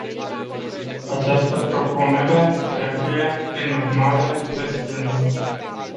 Această propunere trebuie, prin urmare, respinsă.